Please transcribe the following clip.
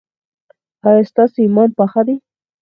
ایا ستاسو ایمان پاخه دی؟